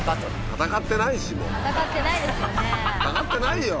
戦ってないよ。